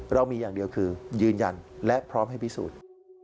เรามีอย่างเดียวคือยืนยันและพร้อมให้พิสูจน์